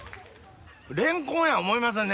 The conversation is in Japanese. レンコンや思いませんね